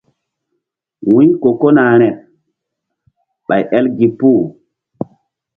Wu̧y ko kona rȩɗ ɓay el gi puh.